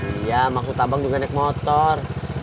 iya maksud abang juga naik motor